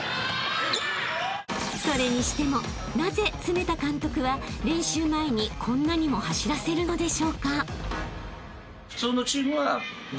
［それにしてもなぜ常田監督は練習前にこんなにも走らせるのでしょうか］